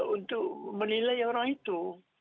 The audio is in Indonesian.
untuk menilai orang itu